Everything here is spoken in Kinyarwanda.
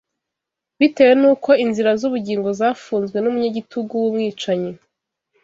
Bitewe n’uko inzira z’ubugingo zafunzwe n’umunyagitugu w’Umwicanyi